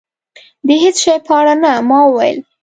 د هېڅ شي په اړه نه. ما وویل.